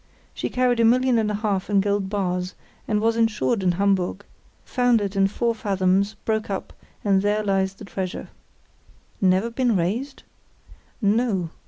She carried a million and a half in gold bars, and was insured in Hamburg; foundered in four fathoms, broke up, and there lies the treasure." "Never been raised?" "No.